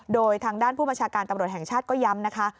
โดยทางด้านผู้บัญชาการตำรวจแห่งชาติก็ย้ำนะคะ